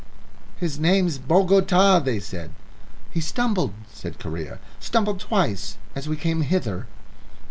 "His name's Bogota," they said. "He stumbled," said Correa, "stumbled twice as we came hither."